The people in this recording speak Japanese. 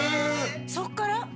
そこから？